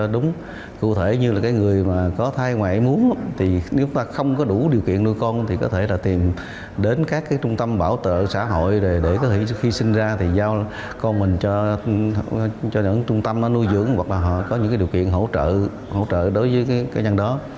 đúng cụ thể như là cái người mà có thai ngoại muốn thì nếu ta không có đủ điều kiện nuôi con thì có thể là tìm đến các trung tâm bảo tợ xã hội để khi sinh ra thì giao con mình cho những trung tâm nuôi dưỡng hoặc là họ có những điều kiện hỗ trợ đối với cái nhân đó